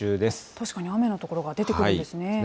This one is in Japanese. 確かに雨の所が出てくるんですね。